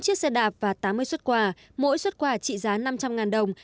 hai chiếc xe đạp và tám mươi xuất quà mỗi xuất quà trị giá năm trăm linh đồng